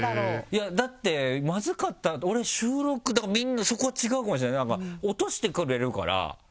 いやだってまずかった俺収録だからそこが違うかもしれない。